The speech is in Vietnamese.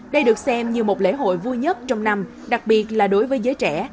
đây được xem như một lễ hội vui nhất trong năm đặc biệt là đối với giới trẻ